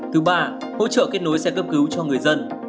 thứ ba hỗ trợ kết nối xe cấp cứu cho người dân